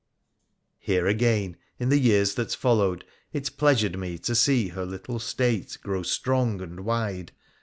' Here again, in the years that followed, it pleasured me to see her little State grow strong and wide.